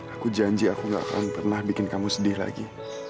aku janji aku gak akan pernah bikin kamu sedih lagi